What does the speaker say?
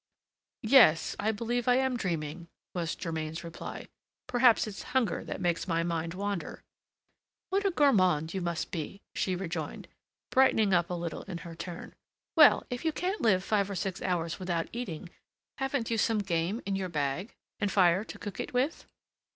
"Yes, I believe I am dreaming," was Germain's reply; "perhaps it's hunger that makes my mind wander." "What a gourmand you must be!" she rejoined, brightening up a little in her turn; "well, if you can't live five or six hours without eating, haven't you some game in your bag, and fire to cook it with?"